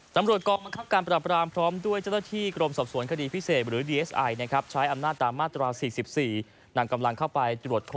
ตำรวจกองบังคับการประดับราภัย